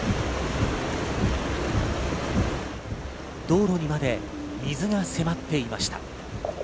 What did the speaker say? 道路にまで水が迫っていました。